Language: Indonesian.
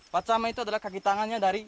pat sama itu adalah kaki tangannya dari